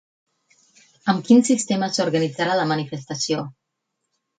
Amb quin sistema s'organitzarà la manifestació?